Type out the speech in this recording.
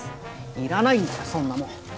いらないんだよ、そんなもん！